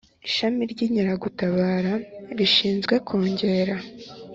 Ishami ry Inkeragutabara rishinzwe kongera